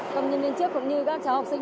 công nhân viên trước cũng như các cháu học sinh